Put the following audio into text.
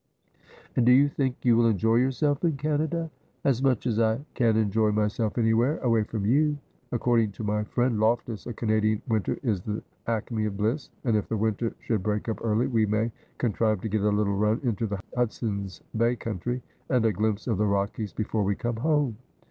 ' And do you think you will enjoy yourself in Canada ?' 'As much as I can enjoy myself anywhere, away from you. According to my friend Loftus, a Canadian winter is the acme of bliss ; and if the winter should break up early, we may con trive to get a little run into the Hudson's Bay country, and a glimpse of the Rockies before we come home.'